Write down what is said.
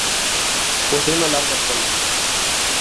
Posee una larga cola.